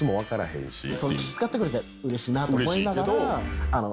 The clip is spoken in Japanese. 気を使ってくれてうれしいなと思いながら。